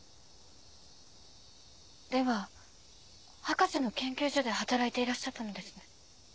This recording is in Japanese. では博士の研究所で働いていらっしゃったのですね？